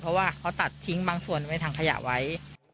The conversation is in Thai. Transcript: เพราะว่าเขาตัดทิ้งบางส่วนไว้ถังขยะไว้